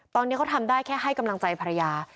ตอนนี้เขาทำได้แค่ให้กำลังใจภรรยา